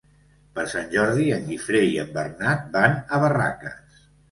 Per Sant Jordi en Guifré i en Bernat van a Barraques.